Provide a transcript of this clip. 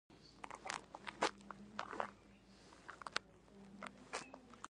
ایا تیزاب مو ستوني ته راځي؟